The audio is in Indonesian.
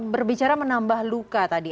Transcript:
berbicara menambah luka tadi